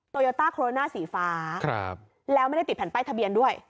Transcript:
โตยโต้โคโรนาสีฟ้าครับแล้วไม่ได้ติดแผ่นใต้ทะเบียนด้วย